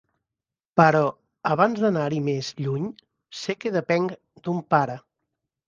Però, abans d'anar-hi més lluny, sé que depenc d'un pare.